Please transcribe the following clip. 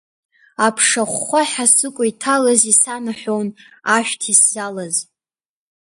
Аԥша ахәхәаҳәа сыкәа иҭалаз исанаҳәон ашәҭ исзалаз.